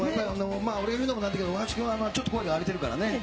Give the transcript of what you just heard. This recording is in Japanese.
俺が言うのもなんだけど、大橋君はちょっと声が荒れてるからね。